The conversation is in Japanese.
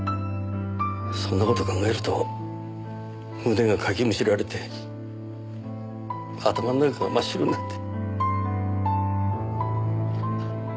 そんな事考えると胸がかきむしられて頭の中が真っ白になって。